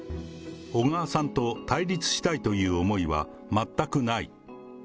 小川さんと対立したいという思いは全くない。